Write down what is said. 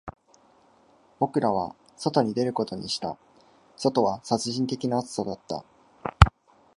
僕らは外に出ることにした、外は殺人的な暑さだった